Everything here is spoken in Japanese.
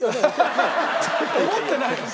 思ってないの？